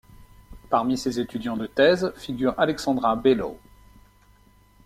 Parmi ses étudiants de thèse figure Alexandra Bellow.